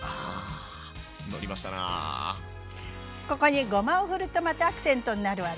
ああここにごまを振るとまたアクセントになるわね。